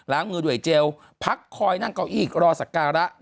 มือด้วยเจลพักคอยนั่งเก้าอี้รอสักการะ